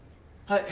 はい！